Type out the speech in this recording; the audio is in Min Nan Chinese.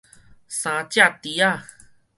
三隻豬仔